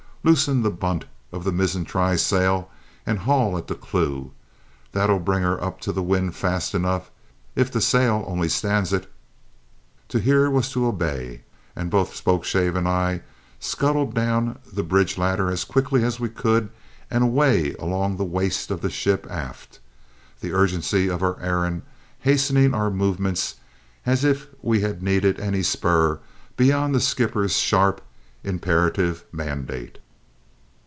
Loosen the bunt of the mizzen trysail and haul at the clew. That'll bring her up to the wind fast enough, if the sail only stands it!" To hear was to obey, and both Spokeshave and I scuttled down the bridge ladder as quickly as we could and away along the waist of the ship aft, the urgency of our errand hastening our movements if we had needed any spur beyond the skipper's sharp, imperative mandate.